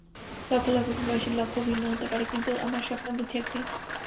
লক্ষ লক্ষ প্রবাসীর লক্ষ্য ভিন্ন হতে পারে, কিন্তু আমার স্বপ্ন বুঝি একটাই।